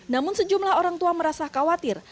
namun sejumlah orang tua merasa khawatir